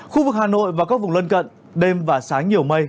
khu vực hà nội và các vùng lân cận đêm và sáng nhiều mây